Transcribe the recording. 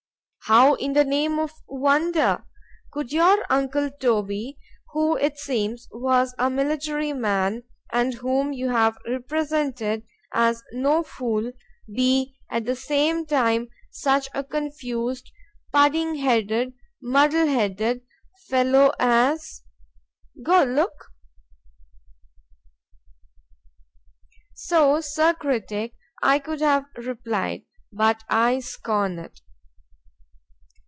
———How, in the name of wonder! could your uncle Toby, who, it seems, was a military man, and whom you have represented as no fool,—be at the same time such a confused, pudding headed, muddle headed, fellow, as—Go look. So, Sir Critick, I could have replied; but I scorn it.